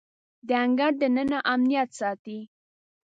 د انګړ دننه امنیت ساتي.